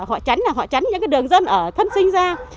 họ chắn là họ chắn những cái đường dân ở thân sinh ra